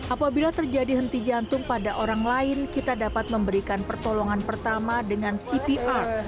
apabila terjadi henti jantung pada orang lain kita dapat memberikan pertolongan pertama dengan cpr